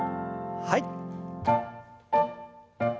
はい。